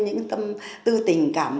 những tâm tư tình cảm